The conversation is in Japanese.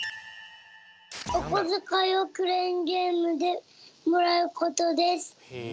おこづかいをクレーンゲームでもらうことです。